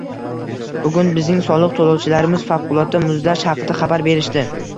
Bugun bizning soliq to'lovchilarimiz favqulodda muzlash haqida xabar berishdi